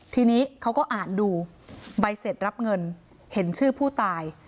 ทีนี้เขาก็อ่านดูใบเสร็จรับเงินเห็นชื่อผู้ตาย